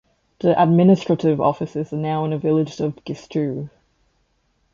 The administrative offices are now in the village of Gistoux.